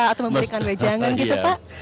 atau memberikan wejangan gitu pak